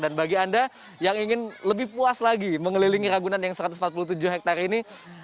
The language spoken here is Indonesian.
dan bagi anda yang ingin lebih puas lagi mengelilingi ragunan yang satu ratus empat puluh tujuh hektare ini